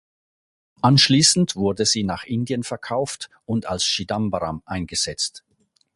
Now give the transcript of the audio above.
Anschließend wurde sie nach Indien verkauft und als "Chidambaram" eingesetzt.